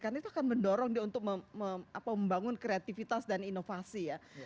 karena itu akan mendorong dia untuk membangun kreativitas dan inovasi